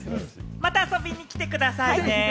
また遊びに来てくださいね。